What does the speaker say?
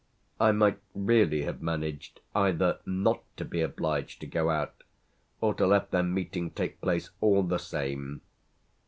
I might really have managed either not to be obliged to go out or to let their meeting take place all the same.